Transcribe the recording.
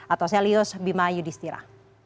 atau selyus bima yudhistira